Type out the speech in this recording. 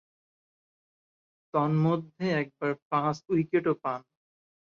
তন্মধ্যে একবার পাঁচ-উইকেটও পান।